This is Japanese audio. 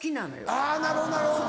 あぁなるほどなるほど。